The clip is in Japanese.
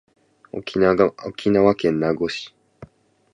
沖縄県名護市